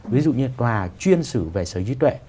ví dụ như tòa chuyên sử về sở hữu trí tuệ